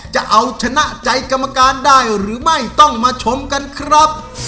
จะเอาชนะใจกรรมการได้หรือไม่ต้องมาชมกันครับ